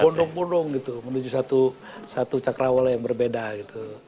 pondong pondong gitu menuju satu cakrawala yang berbeda gitu